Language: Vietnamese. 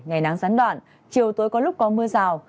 ngày nắng gián đoạn chiều tối có lúc có mưa rào